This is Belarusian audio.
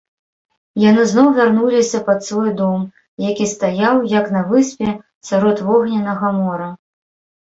Яны зноў вярнуліся пад свой дом, які стаяў як на выспе сярод вогненнага мора.